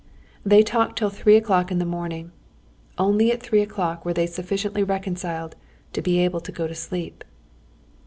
They talked till three o'clock in the morning. Only at three o'clock were they sufficiently reconciled to be able to go to sleep.